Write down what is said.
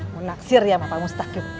menaksir ya pak mustahim